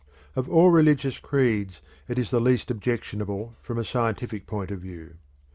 Of all religious creeds it is the least objectionable from a scientific point of view.